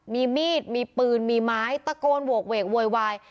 มีมีดมีปืนมีไม้ตะโกนโหกเวกโวยวาย